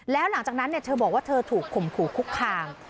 แล้วหลังจากนั้นเธอบอกว่าเธอถูกข่มขู่คุกคาม